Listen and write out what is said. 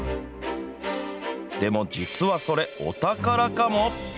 でも実はそれ、お宝かも？